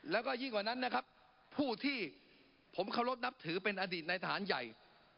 แล้วก็ยิ่งกว่านั้นนะครับผู้ที่ผมเคารพนับถือเป็นอดีตในทหารใหญ่